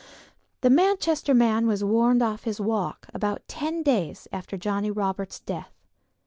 The Manchester man was warned off his walk about ten days after Johnnie Roberts's death.